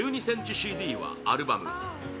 ｃｍＣＤはアルバム８